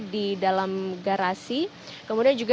di dalam garasi kemudian juga